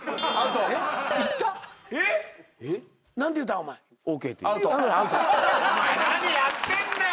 お前何やってんだよ！